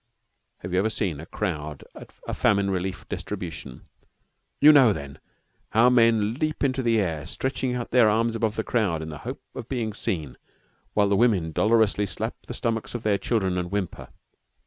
Have you ever seen a crowd at a famine relief distribution? You know then how the men leap into the air, stretching out their arms above the crowd in the hope of being seen, while the women dolorously slap the stomachs of their children and whimper.